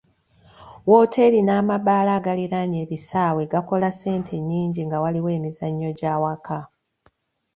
Wooteeri n'amabaala agaliraanye ebisaawe gakola ssente nnyingi nga waliwo emizannyo gy'awaka.